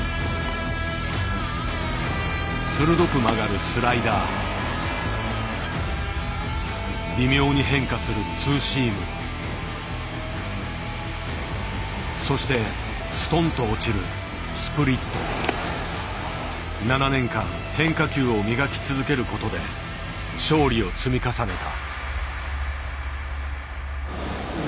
鋭く曲がる微妙に変化するそしてストンと落ちる７年間変化球を磨き続けることで勝利を積み重ねた。